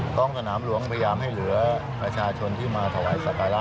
ท้องสนามหลวงพยายามให้เหลือประชาชนที่มาถวายสักการะ